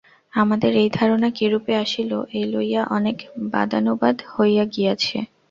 আমাদের এই ধারণা কিরূপে আসিল, এই লইয়া অনেক বাদানুবাদ হইয়া গিয়াছে।